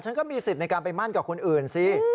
ก็มีสิทธิ์ในการไปมั่นกับคนอื่นสิ